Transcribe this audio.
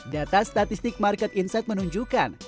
data statistik market insight menunjukkan